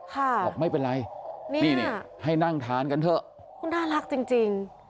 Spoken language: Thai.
ค่ะไม่เป็นไรนี่ให้นั่งทานกันเถอะน่ารักจริง